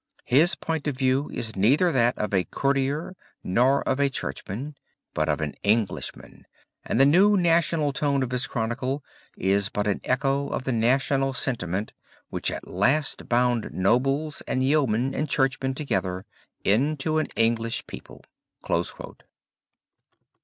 His point of view is neither that of a courtier nor of a Churchman, but of an Englishman, and the new national tone of his chronicle is but an echo of the national sentiment which at last bound nobles and yeomen and Churchmen together into an English people."